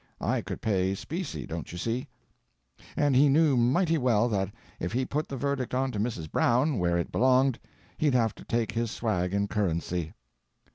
I could pay specie, don't you see? and he knew mighty well that if he put the verdict on to Mrs. Brown, where it belonged, he'd have to take his swag in currency."